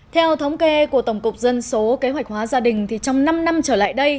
theo thống kê của tổng cục dân số kế hoạch hóa gia đình trong năm năm trở lại đây